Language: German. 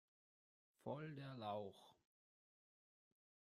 Voll der Lauch!